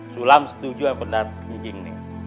sulam setuju yang bener cing